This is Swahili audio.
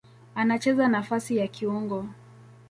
Anacheza nafasi ya kiungo.